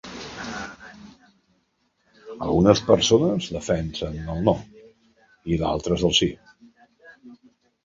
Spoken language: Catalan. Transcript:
Algunes persones defenen el No i d'altres el Sí.